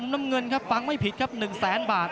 น้ำเงินครับฟังไม่ผิดครับ๑แสนบาท